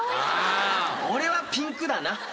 俺はピンクだな。